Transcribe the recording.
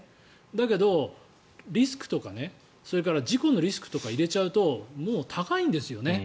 だけど、リスクとかそれから事故のリスクとかを入れちゃうともう高いんですよね。